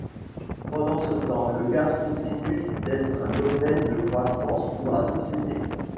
Pendant ce temps, le gaz continue d'être un domaine de croissance pour la société.